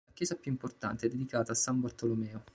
La chiesa più importante è dedicata a S. Bartolomeo.